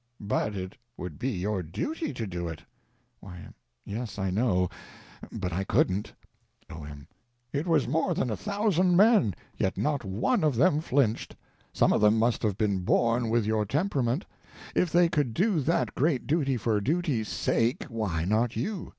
But it would be your duty to do it. Y.M. Yes, I know—but I couldn't. O.M. It was more than thousand men, yet not one of them flinched. Some of them must have been born with your temperament; if they could do that great duty for duty's sake, why not you?